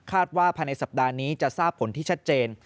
คาดว่าพันธุ์ในสัปดาห์นี้จะทราบผลที่ชัดเจน